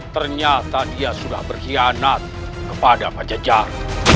ternyata dia sudah berkhianat kepada pajajar